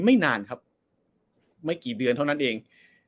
ไม่นานครับไม่กี่เดือนเท่านั้นเอง